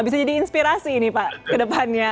bisa jadi inspirasi ini pak ke depannya